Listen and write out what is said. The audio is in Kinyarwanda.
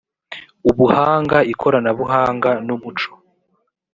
ubuhanga ikoranabuhanga n umuco